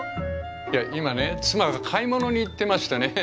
いや今ね妻が買い物に行ってましてね